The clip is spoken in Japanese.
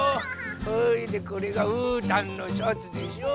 それでこれがうーたんのシャツでしょう。